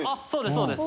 そうです。